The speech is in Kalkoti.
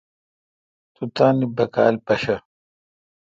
تو تان بیکال پیشہ۔